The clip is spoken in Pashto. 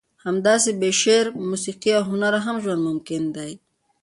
همداسې بې شعر، موسیقي او هنره هم ژوند ممکن دی.